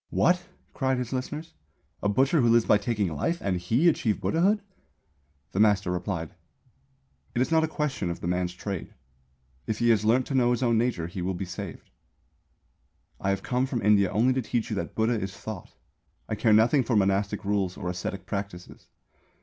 "What," cried his listeners, "a butcher, who lives by taking life, and he achieve Buddhahood?" The master replied: "It is not a question of the man's trade. If he has learnt to know his own nature he will be saved. "I have come from India only to teach you that Buddha is Thought. I care nothing for monastic rules or ascetic practices.